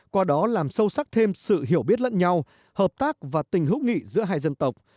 qua đó làm sâu sắc thêm sự hiểu biết lẫn nhau hợp tác và tình hữu nghị giữa hai dân tộc